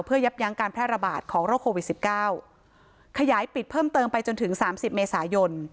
เพื่อยับยั้งการแพร่ระบาดของโรคโควิดสิบเก้าขยายปิดเพิ่มเติมไปจนถึงสามสิบเมษายน